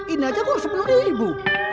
ini aja kok sepuluh ribu